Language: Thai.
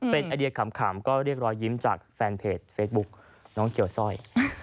ก็เรียกร้อยยิ้มจากแฟนเพจเฟซบุ๊คน้องเขียวสร้อย